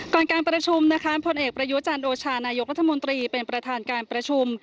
การประชุมนะคะพลเอกประยุจันโอชานายกรัฐมนตรีเป็นประธานการประชุม